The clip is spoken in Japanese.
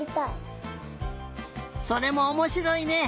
それもおもしろいね！